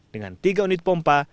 dengan tiga unit pompa